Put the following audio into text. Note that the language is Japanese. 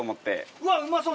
うわうまそう！